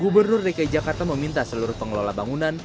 gubernur dki jakarta meminta seluruh pengelola bangunan